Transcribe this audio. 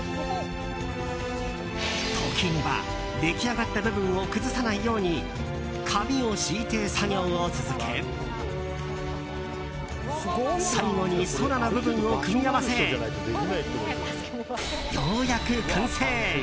時には出来上がった部分を崩さないように紙を敷いて作業を続け最後に空の部分を組み合わせようやく完成！